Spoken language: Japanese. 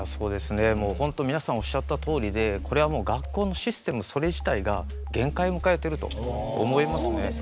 もう本当、皆さんおっしゃったとおりでこれは学校のシステムそれ自体が限界を迎えてると思いますね。